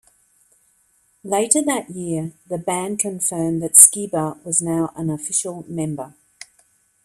Later that year, the band confirmed that Skiba was now an official member.